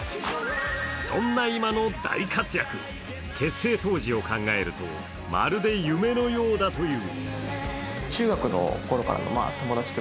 そんな今の大活躍、結成当時を考えるとまるで夢のようだという。